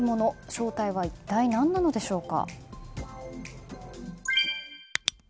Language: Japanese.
正体は一体何なのでしょうか。